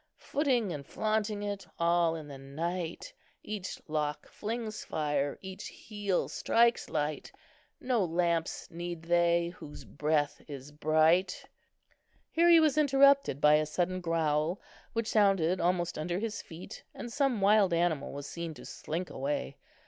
"Footing and flaunting it, all in the night, Each lock flings fire, each heel strikes light; No lamps need they, whose breath is bright." Here he was interrupted by a sudden growl, which sounded almost under his feet, and some wild animal was seen to slink away.